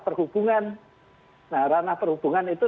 perhubungan nah ranah perhubungan itu